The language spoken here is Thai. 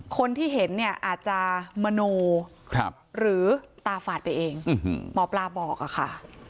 คนที่เห็นเนี่ยอาจจะมโนหรือตาฝาดไปเองหมอปลาบอกอะค่ะ